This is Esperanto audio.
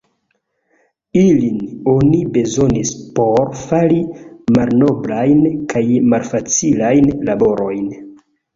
Ilin oni bezonis por fari malnoblajn kaj malfacilajn laborojn.